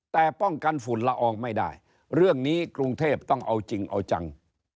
แต่ป้องกันฝุ่นละอองไม่ได้เรื่องนี้กรุงเทพต้องเอาจริงเอาจัง